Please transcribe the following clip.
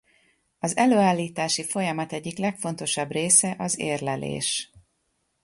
Az előállítási folyamat egyik legfontosabb része az érlelés.